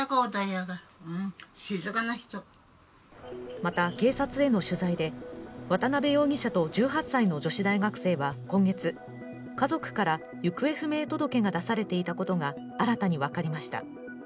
また警察への取材で渡邉容疑者と１８歳の女子大学生は今月、家族から行方不明届が出されていたことが新たに分かりました。